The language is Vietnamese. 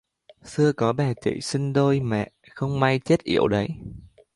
xưa có bà chị sinh đôi mà không may chết yểu đấy